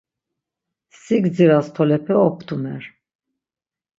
Si gdziras tolepe obtumer.